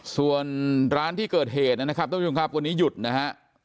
ส่วนร้านที่เกิดเหตุนะครับท่านผู้ชมครับวันนี้หยุดนะฮะ